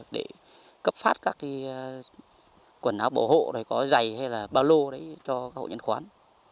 để cấp phát các quần áo bảo hộ có giày hay là bao lô cho hội nhận khoán